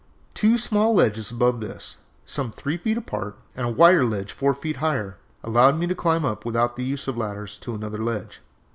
Two small ledges above this, some three feet apart, and a wider ledge four feet higher, allowed me to climb up, without the use of ladders, to another ledge.